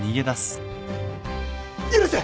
許せ！